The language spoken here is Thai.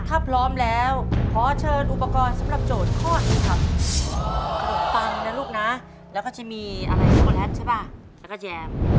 ถ้าพร้อมแล้วเผาเชิญอุปกรณ์สำหรับโจทย์คลอดลูกค่ะ